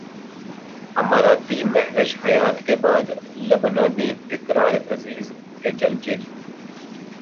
اماراتی مہوش حیات کے بعد لبنانی اقرا عزیز کے چرچے